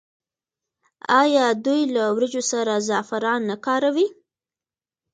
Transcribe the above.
آیا دوی له وریجو سره زعفران نه کاروي؟